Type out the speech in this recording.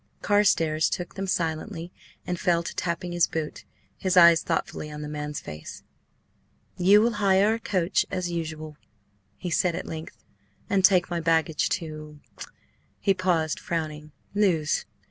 Carstares took them silently and fell to tapping his boot, his eyes thoughtfully on the man's face. "You will hire a coach, as usual," he said at length, "and take my baggage to—" (He paused, frowning)—"Lewes.